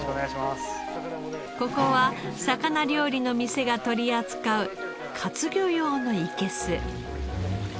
ここは魚料理の店が取り扱う活魚用のいけす。